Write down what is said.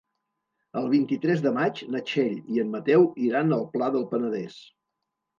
El vint-i-tres de maig na Txell i en Mateu iran al Pla del Penedès.